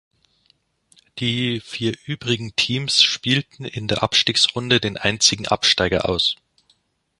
Die vier übrigen Teams spielten in der Abstiegsrunde den einzigen Absteiger aus.